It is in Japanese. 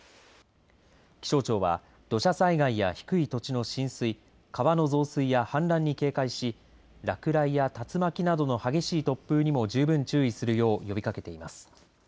気象庁は土砂災害や低い土地の浸水川の増水や氾濫に警戒し落雷や竜巻などの激しい突風にも十分注意するよう呼びかけています。